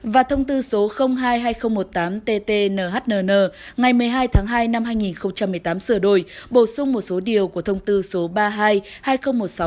và thông tư số hai hai nghìn một mươi tám tt nhnn ngày một mươi hai tháng hai năm hai nghìn một mươi bốn